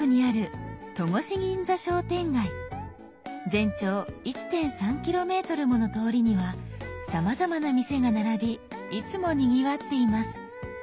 全長１．３キロメートルもの通りにはさまざまな店が並びいつもにぎわっています。